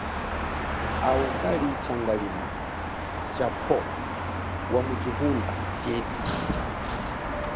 Awu kali changalima cha phowo wamu chihunda chethu.